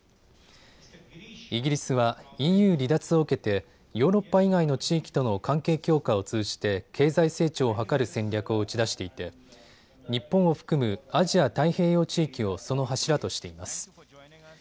イギリスはＥＵ離脱を受けてヨーロッパ以外の地域との関係強化を通じて経済成長を図る戦略を打ち出していて日本を含むアジア太平洋地域をその柱としています。